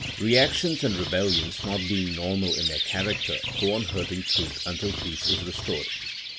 Reactions and rebellions, not being normal in their character, go on hurting truth until peace is restored.